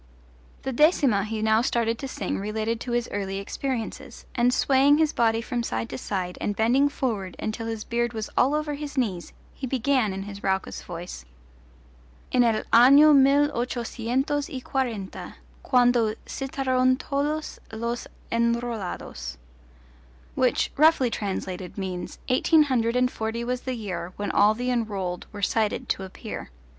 The decima he now started to sing related to his early experiences, and swaying his body from side to side and bending forward until his beard was all over his knees he began in his raucous voice: En el ano mil ochocientos y quarenta, Quando citaron todos los enrolados, which, roughly translated, means: Eighteen hundred and forty was the year When all the enrolled were cited to appear.